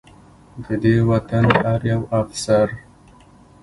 د دې وطن هر يو افسر